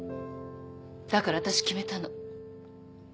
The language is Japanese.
だから私決めたの。